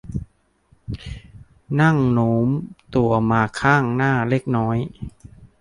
นั่งโน้มตัวมาข้างหน้าเล็กน้อย